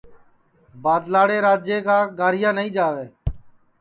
بادلاڑے راجے کا گاریا نائی جاوے